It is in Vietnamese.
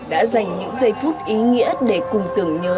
đã dành những giây phút ý nghĩa để cùng tưởng nhớ